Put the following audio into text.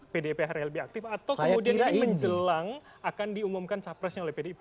pdi perjuangan lebih aktif atau kemudian ini menjelang akan diumumkan capresnya oleh pdi perjuangan